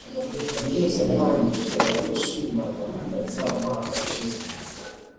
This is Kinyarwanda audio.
kaminuza yarangije abanyeshuri magana tata umwaka ushize.